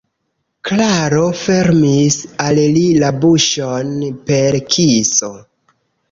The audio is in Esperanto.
Klaro fermis al li la buŝon per kiso.